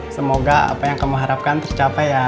semoga apa yang kamu harapkan tercapai ya